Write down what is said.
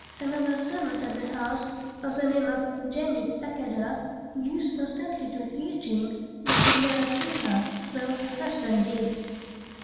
Another servant at the house, of the name of Jenny Blackadder, used constantly to hear Jean, but could never see her—though her husband did.